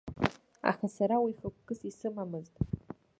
Аха сара уи хықәкыс исымамызт.